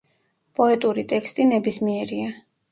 პოეტური ტექსტი ნებისმიერია.